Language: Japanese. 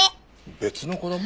別の子供？